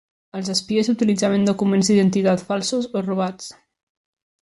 Els espies utilitzaven documents d'identitat falsos o robats.